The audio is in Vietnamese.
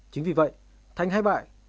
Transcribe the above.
chính vì vậy thanh hai bại